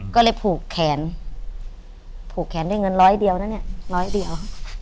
ก็เลยผูกแขนผูกแขนได้เงินร้อยเดียวนะเนี่ยร้อยเดียว